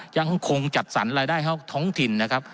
ยังคงจัดสรรรายได้ให้ท้องถิ่นนะครับ